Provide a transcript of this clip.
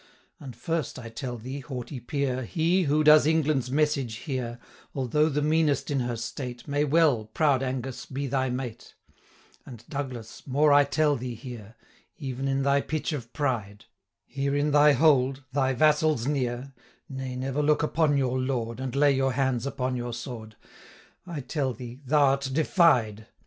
And, first, I tell thee, haughty Peer, 415 He, who does England's message here, Although the meanest in her state, May well, proud Angus, be thy mate: And, Douglas, more I tell thee here, Even in thy pitch of pride, 420 Here in thy hold, thy vassals near, (Nay, never look upon your lord, And lay your hands upon your sword,) I tell thee, thou'rt defied!